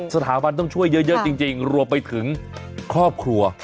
สถาบันต้องช่วยเยอะจริงรวมไปถึงครอบครัว